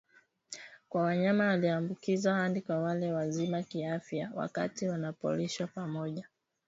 kwa wanyama walioambukizwa hadi kwa wale wazima kiafya wakati wanapolishwa pamoja